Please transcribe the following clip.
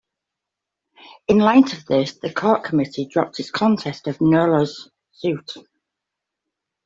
In light of this, the court committee dropped its contest of Nolo's suit.